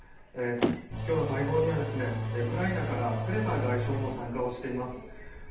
今日の会合にはウクライナからクレバ外相も参加しています。